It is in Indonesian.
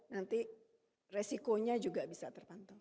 nanti resikonya juga bisa terpantau